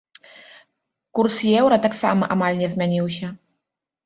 Курс еўра таксама амаль не змяніўся.